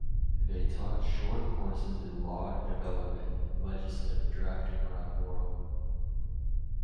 They taught short courses in law and development and legislative drafting around the world.